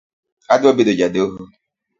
Adwa bedo ja doho